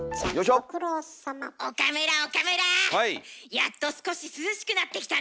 やっと少し涼しくなってきたね。